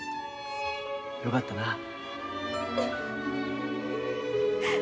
よかったな。